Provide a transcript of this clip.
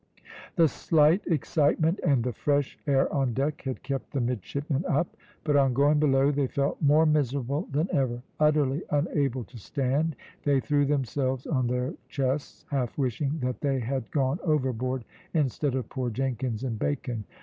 The slight excitement and the fresh air on deck had kept the midshipmen up, but on going below they felt more miserable than ever. Utterly unable to stand they threw themselves on their chests, half wishing that they had gone overboard instead of poor Jenkins and Bacon.